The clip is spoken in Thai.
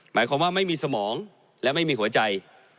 หมายความว่าไม่มีสมองและไม่มีหัวใจ